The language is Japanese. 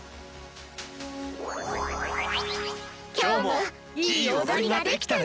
きょうもいいおどりができたね。